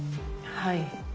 はい。